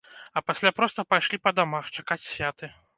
А пасля проста пайшлі па дамах, чакаць святы.